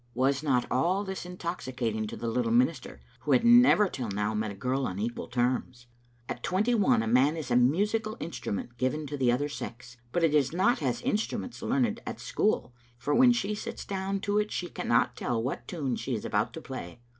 Was not all this intoxicating to the little minister, who had never till now met a girl on equal terms? At twenty one a man is a musical instrument given to the other sex, but it is not as instruments learned at school, for when She sits down to it she cannot tell what tune she is about to play.